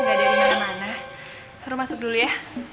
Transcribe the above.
gak dari mana mana rom masuk dulu ya